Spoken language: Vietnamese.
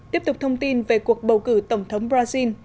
tiếp tục thông tin về cuộc bầu cử tổng thống brazil